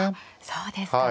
そうですか。